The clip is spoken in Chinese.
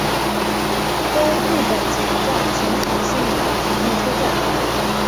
东日本桥站浅草线的铁路车站。